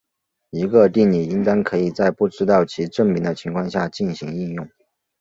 一个定理应当可以在不知道其证明的情况下进行应用。